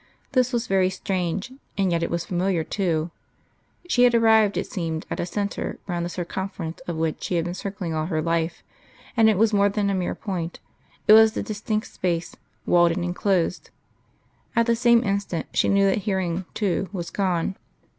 This was very strange, and yet it was familiar, too; she had arrived, it seemed, at a centre, round the circumference of which she had been circling all her life; and it was more than a mere point: it was a distinct space, walled and enclosed.... At the same instant she knew that hearing, too, was gone....